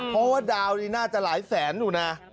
เพราะว่าดาวนี่น่าจะหลายแสนอยู่นะ